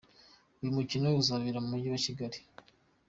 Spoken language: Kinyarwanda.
Uyu mukino ukazabera mu mujyi wa Kigali.